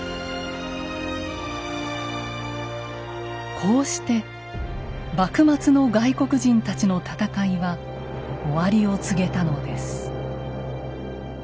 こうして幕末の外国人たちの戦いは終わりを告げたのです。